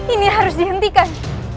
ini harus dihentikan